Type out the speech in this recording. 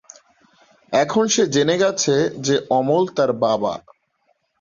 এখন সে জেনে গেছে যে অমল তার বাবা।